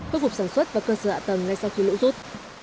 khôi phục sản xuất và cơ sở ạ tầng ngay sau khi lũ rút